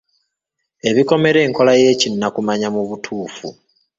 Ebikomera enkola y’ekinnakumanya mu butuufu.